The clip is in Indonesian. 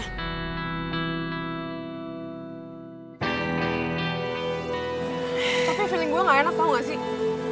tapi gue gak enak tau gak sih